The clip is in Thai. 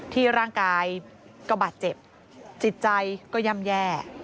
ร่างกายก็บาดเจ็บจิตใจก็ย่ำแย่